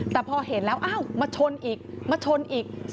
แต่พอเห็นแล้วอ้าวมาชนอีกมาชนอีก